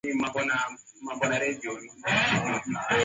Kazi ngumu ya uwindaji hufanywa wakati wa usiku